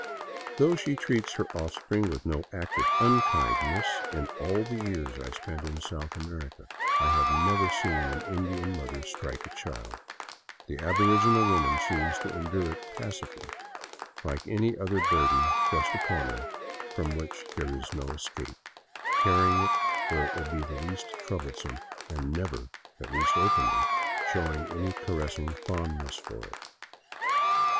Though she treats her offspring with no active unkindness — in all the years I spent in South America I have never seen an Indian mother strike a child — the aboriginal woman seems to endure it passively, like any other burden thrust upon her from which there is no escape, carrying it where it will be least troublesome, and never, at least openly, showing any caressing fondness for it.